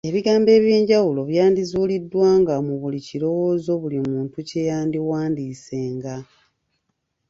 Ebigambo eby'enjawulo byandizuuliddwanga mu buli kirowoozo buli muntu kye yandiwandiisenga.